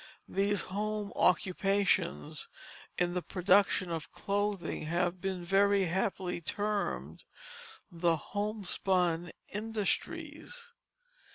These home occupations in the production of clothing have been very happily termed the "homespun industries."